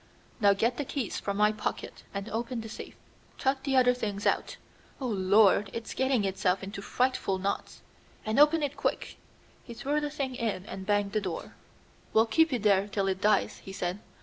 "Now get the keys from my pocket and open the safe. Chuck the other things out. Oh, Lord, it's getting itself into frightful knots! and open it quick!" He threw the thing in and banged the door. "We'll keep it there till it dies," he said.